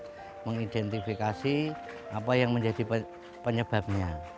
untuk mengidentifikasi apa yang menjadi penyebabnya